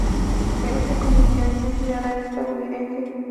Eva se convirtió en ciudadana estadounidense.